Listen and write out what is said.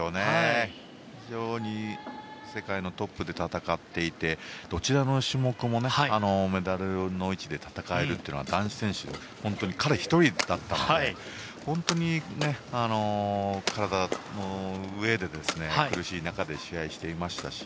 非常に世界のトップで戦っていてどちらの種目もメダルの位置で戦えるのは男子選手では彼１人だったので本当に体のうえでも苦しい中で試合をしていましたし。